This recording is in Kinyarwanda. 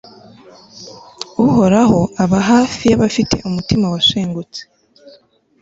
uhoraho aba hafi y'abafite umutima washengutse